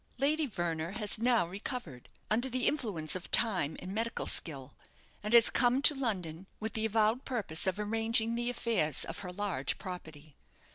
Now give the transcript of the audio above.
"Lady Verner has now recovered, under the influence of time and medical skill, and has come to London with the avowed purpose of arranging the affairs of her large property.